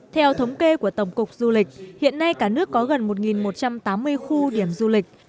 theo thống kê của tổng cục du lịch hiện nay cả nước có gần một một trăm tám mươi khu điểm du lịch